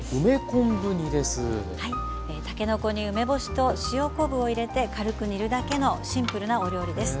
たけのこに梅干しと塩昆布を入れて軽く煮るだけのシンプルなお料理です。